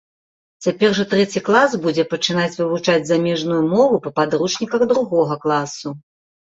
Цяпер жа трэці клас будзе пачынаць вывучаць замежную мову па падручніках другога класу.